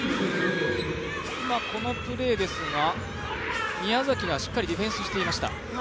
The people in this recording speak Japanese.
このプレーですが、宮崎がしっかりディフェンスしていました。